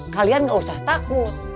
kalian gak usah takut